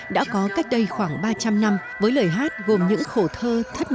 đã có cách đây khoảng ba trăm linh năm với lời hát gồm những khổ thơ thất